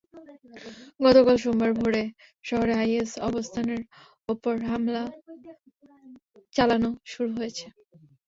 গতকাল সোমবার ভোরে শহরে আইএস অবস্থানের ওপর হামলা চালানো শুরু হয়েছে।